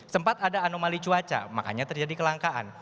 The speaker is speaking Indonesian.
sempat ada anomali cuaca makanya terjadi kelangkaan